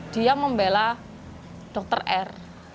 dia membela dokter r